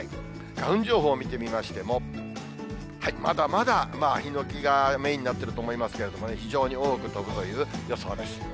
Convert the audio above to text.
花粉情報を見てみましても、まだまだヒノキがメインになっていると思いますけれどもね、非常に多く飛ぶという予想です。